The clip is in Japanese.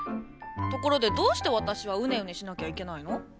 ところでどうして私はうねうねしなきゃいけないの？